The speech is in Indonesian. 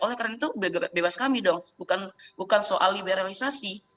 oleh karena itu bebas kami dong bukan soal liberalisasi